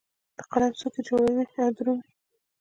د قلم څوکې جوړوي او درومې